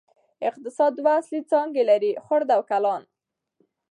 اقتصاد دوه اصلي څانګې لري: خرد او کلان.